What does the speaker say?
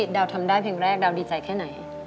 ดาวทำได้เพลงแรกดาวดีใจแค่ไหน